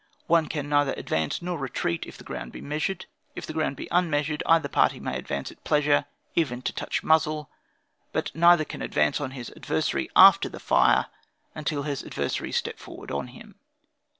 One can neither advance nor retreat, if the ground be measured. If the ground be unmeasured, either party may advance at pleasure, even to touch muzzle; but neither can advance on his adversary after the fire, unless his adversary step forward on him.